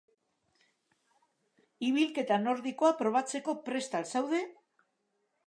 Ibilketa nordikoa probatzeko prest al zaude?